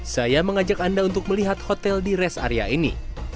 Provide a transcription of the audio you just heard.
saya mengajak anda untuk melihat hotel di rest area ini